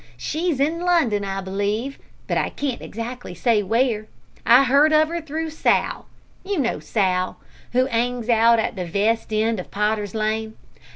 She's in London, I believe, but I can't exactly say where. I heard of her through Sal you know Sal, who 'angs out at the vest end o' Potter's Lane.